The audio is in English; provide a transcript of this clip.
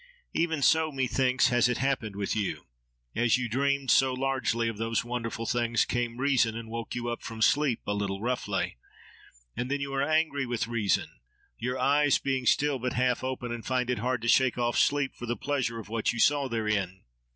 Even so, methinks, has it happened with you. As you dreamed, so largely, of those wonderful things, came Reason, and woke you up from sleep, a little roughly: and then you are angry with Reason, your eyes being still but half open, and find it hard to shake off sleep for the pleasure of what you saw therein.